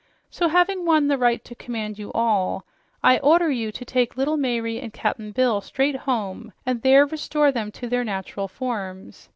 So having won the right to command you all, I order you to take little Mayre and Cap'n Bill straight home, and there restore them to their natural forms.